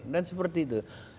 dan seperti itu